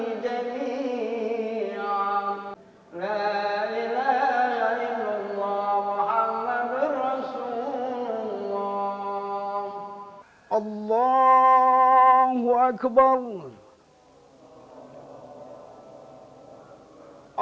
allah is allah allah is allah